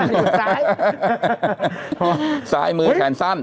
ซ้ายซ้ายมือแขนสั้น